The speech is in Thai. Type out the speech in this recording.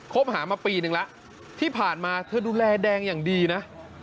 หามาปีนึงแล้วที่ผ่านมาเธอดูแลแดงอย่างดีนะ